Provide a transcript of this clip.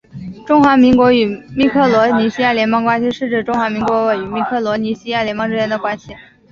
中华民国与密克罗尼西亚联邦关系是指中华民国与密克罗尼西亚联邦之间的关系。